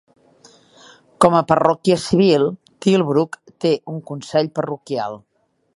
Com a parròquia civil, Tilbrook té un consell parroquial.